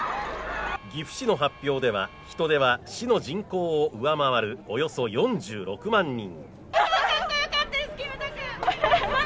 岐阜市の発表では人出は市の人口を上回るおよそ４６万人。